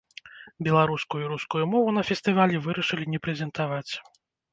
Беларускую і рускую мову на фестывалі вырашылі не прэзентаваць.